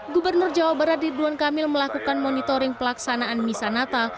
gubernur jawa barat ridwan kamil melakukan monitoring pelaksanaan misanata